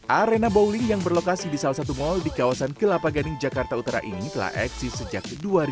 arena bowling yang berlokasi di salah satu mal di kawasan kelapa gading jakarta utara ini telah eksis sejak dua ribu dua